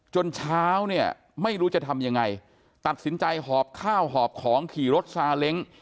เช้าเนี่ยไม่รู้จะทำยังไงตัดสินใจหอบข้าวหอบของขี่รถซาเล้ง